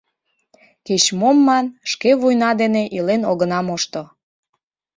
Кеч-мом ман, шке вуйна дене илен огына мошто.